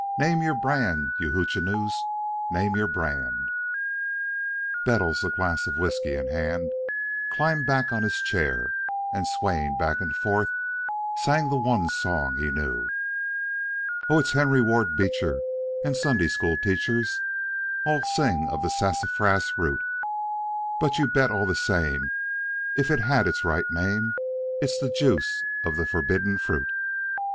Name your brand, you hoochinoos! Name your brand!" Bettles, a glass of whiskey in hand, climbed back on his chair, and swaying back and forth, sang the one song he knew: "O, it's Henry Ward Beecher And Sunday school teachers All sing of the sassafras root; But you bet all the same, If it had its right name It's the juice of the forbidden fruit."